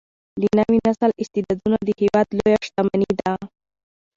د نوي نسل استعدادونه د هیواد لویه شتمني ده.